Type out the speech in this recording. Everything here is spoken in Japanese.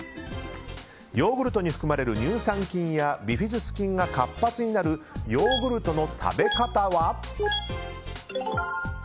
ヨーグルトに含まれる乳酸菌やビフィズス菌が活発になるヨーグルトの食べ方は？